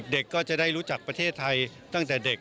ก็จะได้รู้จักประเทศไทยตั้งแต่เด็ก